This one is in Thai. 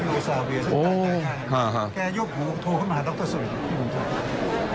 โซเบียก็นายง่ายแคลกเตือนหมูรู้เทา่อไม่ได้เน่ะโคโซโฮอ่าเป็นนี่